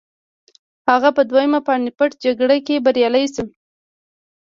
هغه په دویمه پاني پت جګړه کې بریالی شو.